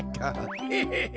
ヘヘヘ。